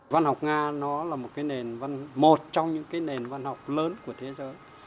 văn học nga là một trong những nền văn học lớn của thế giới